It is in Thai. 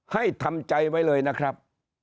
ให้ทำใจไว้เลยนะครับ